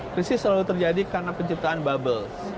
krisis selalu terjadi karena penciptaan bubble